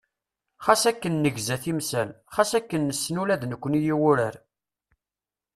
Xas akken negza timsal, xas akken nessen ula d nekkni i wurar.